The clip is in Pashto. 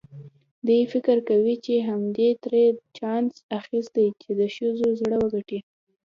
دی فکر کوي چې همدې ترې دا چانس اخیستی چې د ښځو زړه وګټي.